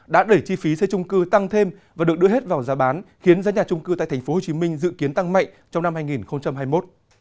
đã đẩy chi phí xe trung cư tăng thêm và được đưa hết vào giá bán khiến giá nhà trung cư tại tp hcm dự kiến tăng mạnh trong năm hai nghìn hai mươi một